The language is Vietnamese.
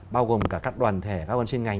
bao gồm cả các đoàn thể các đoàn trên ngành